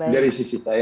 dari sisi saya